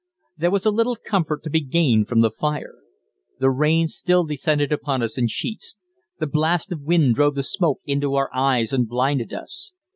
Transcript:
There was a little comfort to be gained from the fire. The rain still descended upon us in sheets. The blast of wind drove the smoke into our eyes and blinded us.